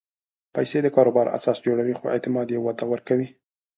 پېسې د کاروبار اساس جوړوي، خو اعتماد یې وده ورکوي.